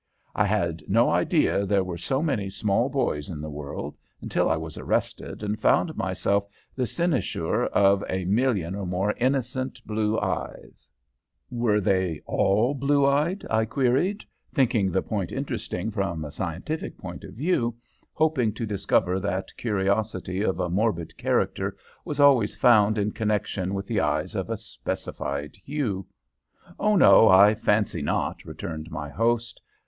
I had no idea there were so many small boys in the world until I was arrested, and found myself the cynosure of a million or more innocent blue eyes." "Were they all blue eyed?" I queried, thinking the point interesting from a scientific point of view, hoping to discover that curiosity of a morbid character was always found in connection with eyes of a specified hue. "Oh no; I fancy not," returned my host.